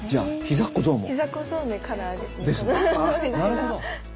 なるほど！